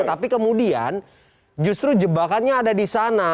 tapi kemudian justru jebakannya ada di sana